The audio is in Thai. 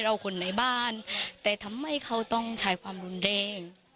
คนในบ้านแต่ทำไมเขาต้องใช้ความรุนแรง